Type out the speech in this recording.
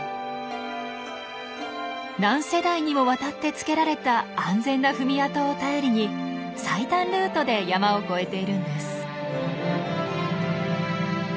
何世代にもわたってつけられた安全な踏み跡を頼りに最短ルートで山を越えているんです。